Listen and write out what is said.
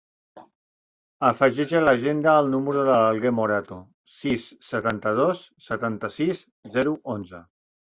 Afegeix a l'agenda el número de l'Alguer Morato: sis, setanta-dos, setanta-sis, zero, onze.